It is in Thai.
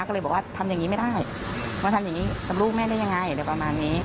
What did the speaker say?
ก็เลยบอกว่าทำอย่างนี้ไม่ได้มาทำอย่างนี้กับลูกแม่ได้ยังไงอะไรประมาณนี้